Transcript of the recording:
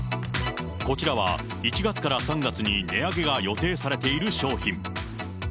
こちらは１月から３月に値上げが予定されている商品。